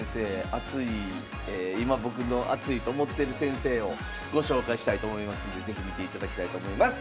熱い今僕の熱いと思ってる先生をご紹介したいと思いますんで是非見ていただきたいと思います。